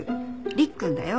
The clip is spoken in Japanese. りっくんだよ。